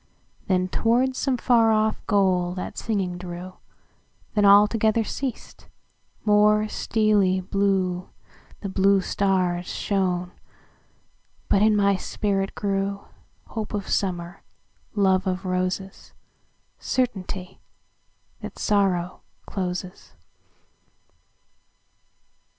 Then toward some far off goal that singing drew; Then altogether ceas'd; more steely blueThe blue stars shone; but in my spirit grewHope of Summer, love of Roses, Certainty that Sorrow closes.